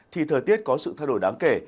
thì thời tiết có sự thay đổi đáng kể